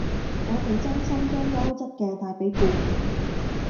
我哋真心將優質嘅帶俾顧客